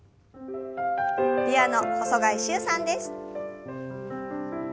ピアノ細貝柊さんです。